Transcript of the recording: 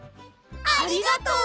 ありがとう！